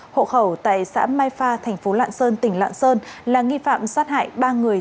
hộ khẩu tại xã mai pha thành phố lạng sơn tỉnh lạng sơn là nghi phạm sát hại ba người